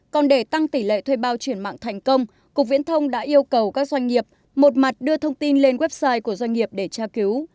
còn để tăng tỷ lệ thuê bao chuyển mạng thành công cục viễn thông đã yêu cầu các doanh nghiệp một mặt đưa thông tin lên website của doanh nghiệp để tra cứu